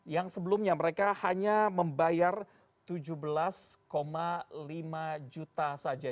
yang sebelumnya mereka hanya membayar tujuh belas lima juta saja